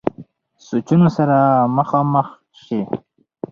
سوچونو سره مخامخ شي -